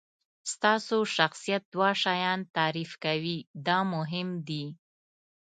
ستاسو شخصیت دوه شیان تعریف کوي دا مهم دي.